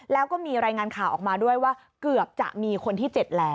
แล้วก็มีรายงานข่าวออกมาด้วยว่าเกือบจะมีคนที่๗แล้ว